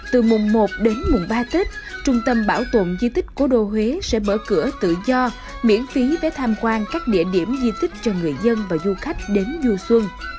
từ mùng một đến mùng ba tết trung tâm bảo tồn di tích cố đô huế sẽ mở cửa tự do miễn phí vé tham quan các địa điểm di tích cho người dân và du khách đến du xuân